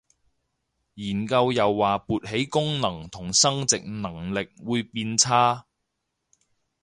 研究又話勃起功能同生殖能力會變差